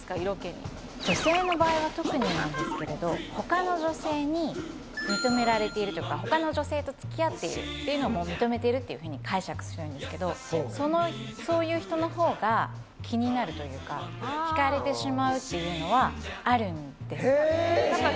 色気に女性の場合は特になんですけれど他の女性に認められてるというか他の女性と付き合っているっていうのも認めてるっていうふうに解釈するんですけどそういう人の方が気になるというかひかれてしまうっていうのはあるんですね